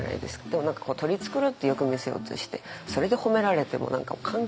でも何か取り繕ってよく見せようとしてそれで褒められても関係ないというか。